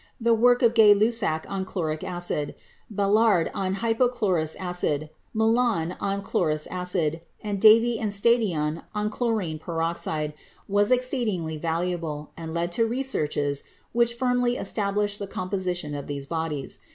The work of Gay Lussac on chloric acid, Balard on hypochlorous acid, Millon on chlo rous acid, and Davy and Stadion on chlorine peroxide, was exceedingly valuable and led to researches which firmly established the composition of these bodies.